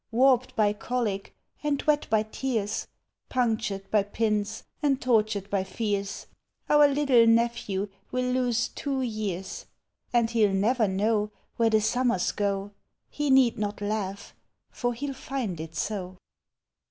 Warped by colic, and wet by tears. Punctured by pins, and tortured by fears, Our little nephew will lose two years; And he Ml never know Where the summers go;— He need not laugh, for he '11 tiud it so!